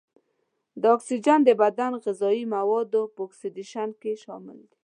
دا اکسیجن د بدن غذايي موادو په اکسیدیشن کې شامل دی.